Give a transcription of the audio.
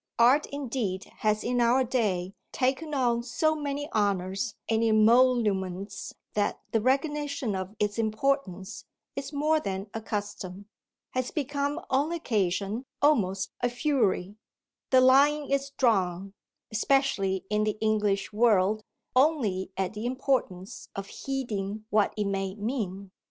Art indeed has in our day taken on so many honours and emoluments that the recognition of its importance is more than a custom, has become on occasion almost a fury: the line is drawn especially in the English world only at the importance of heeding what it may mean.